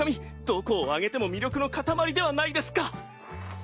どこを挙げても魅力の塊ではないですか！